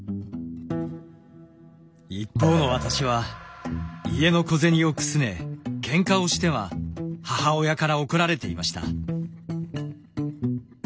一方の私は家の小銭をくすねケンカをしては母親から怒られていました。